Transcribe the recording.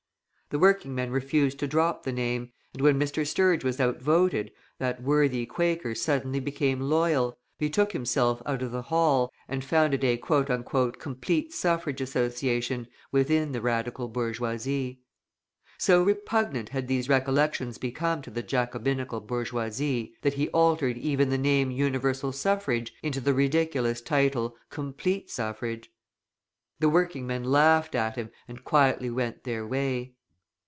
The working men refused to drop the name, and when Mr. Sturge was outvoted, that worthy Quaker suddenly became loyal, betook himself out of the hall, and founded a "Complete Suffrage Association" within the Radical bourgeoisie. So repugnant had these recollections become to the Jacobinical bourgeoisie, that he altered even the name Universal Suffrage into the ridiculous title, Complete Suffrage. The working men laughed at him and quietly went their way.